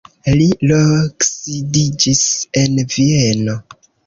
Li loksidiĝis en Vieno.